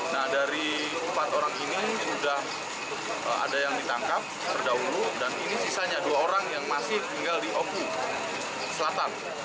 nah dari empat orang ini sudah ada yang ditangkap terdahulu dan ini sisanya dua orang yang masih tinggal di oku selatan